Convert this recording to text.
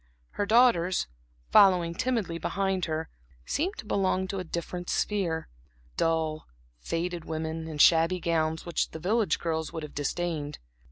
Her daughters, following timidly behind her, seemed to belong to a different sphere; dull, faded women, in shabby gowns which the village girls would have disdained.